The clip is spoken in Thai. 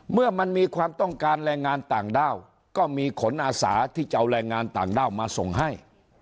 เมื่อมันมีความต้องการแรงงานต่างด้าวก็มีขนอาสาที่จะเอาแรงงานต่างด้าวมาส่งให้